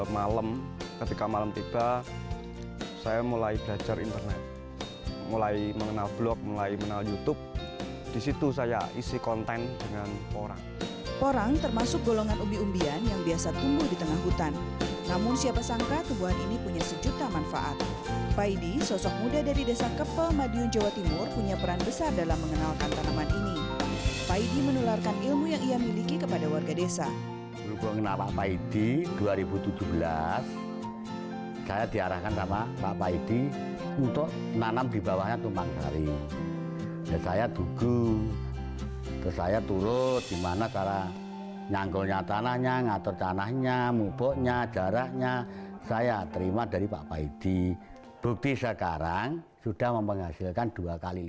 masih banyak veteran veteran yang mungkin masih belum mendapatkan perhatian semacam itu